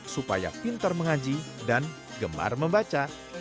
supaya pintar mengaji dan gemar membaca